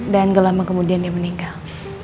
dan gelamu kemudian dia meninggal